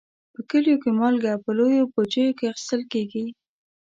په کلیو کې مالګه په لویو بوجیو کې اخیستل کېږي.